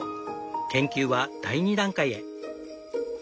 研究は第２段階へ。